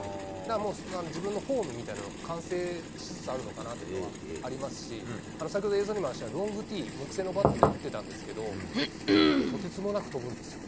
もう自分のフォームみたいの完成しつつあるのかなっていうのはありますし、先ほど、映像でもありましたけど、ロングティー、木製のバットで打ってたんですけど、とてつもなく飛ぶんですよ。